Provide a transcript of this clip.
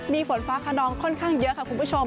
มีฝนฟ้าขนองค่อนข้างเยอะค่ะคุณผู้ชม